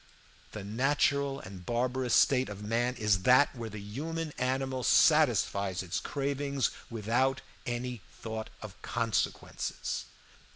The natural and barbarous state of man is that where the human animal satisfies its cravings without any thought of consequences.